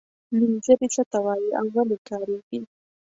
نومځري څه ته وايي او ولې کاریږي.